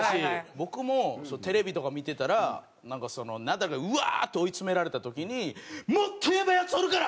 僕もテレビとか見てたらなんかそのナダルがうわーっと追いつめられた時に「もっとやばいヤツおるから！